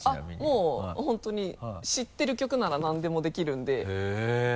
もう本当に知ってる曲なら何でもできるんでえっ？